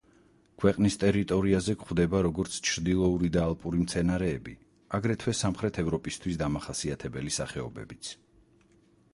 ქვეყნის ტერიტორიაზე გვხვდება, როგორც ჩრდილოური და ალპური მცენარეები, აგრეთვე სამხრეთ ევროპისთვის დამახასიათებელი სახეობებიც.